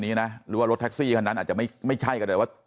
นะหรือว่ารถแท็กซี่คันนั้นอาจจะไม่ใช่ก็ได้ว่า